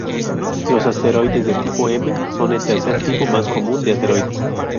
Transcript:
Los asteroides de tipo M son el tercer tipo más común de asteroides.